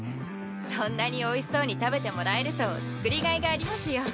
そんなにおいしそうに食べてもらえると作りがいがありますよ。